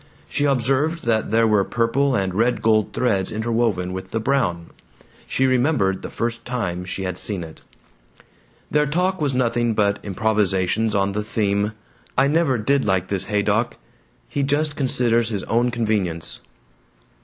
She observed that there were purple and red gold threads interwoven with the brown. She remembered the first time she had seen it. Their talk was nothing but improvisations on the theme: "I never did like this Haydock. He just considers his own convenience."